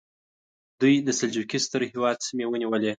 دوی د سلجوقي ستر هېواد سیمې ونیولې.